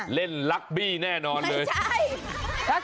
หลุมกันแบบนี้เล่นลักบี้แน่นอนไม่ใช่